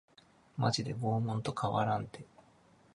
マジで拷問と変わらんて